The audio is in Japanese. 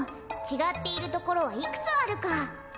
ちがっているところはいくつあるか？